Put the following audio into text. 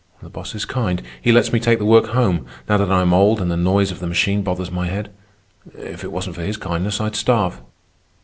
The boss is kind. He lets me take the work home, now that I am old and the noise of the machine bothers my head. If it wasn't for his kindness, I'd starve.